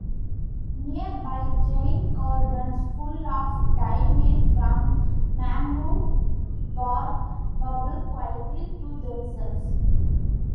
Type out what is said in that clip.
Nearby, giant cauldrons full of dye made from mangrove bark bubble quietly to themselves.